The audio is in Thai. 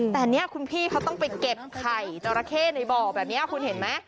แต่เนี่ยคุณพี่เขาต้องไปเก็บไข่จราเข้ในบ่อแบบนี้คุณเห็นไหม